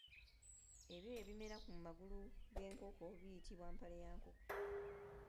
Ebyoya ebimera ku magulu g’enkoko biyitibwa mpale ya nkoko.